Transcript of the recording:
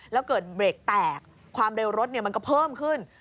แล้วเกิดเบรกแตกความเร็วรถมันก็เพิ่มขึ้น